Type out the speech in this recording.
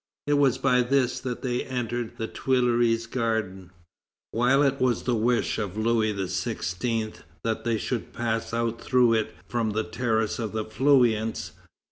It was by this that they entered the Tuileries Garden, while it was the wish of Louis XVI. that they should pass out through it from the terrace of the Feuillants.